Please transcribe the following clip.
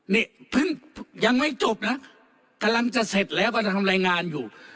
นี่ยังไม่จบนะกำลังจะเสร็จแล้วก็จะทำแรงงานอยู่